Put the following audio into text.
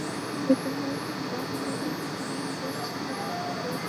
Linate ডয়েলের হত্যাকান্ডটা ছিল পুর্বপরিকল্পিত।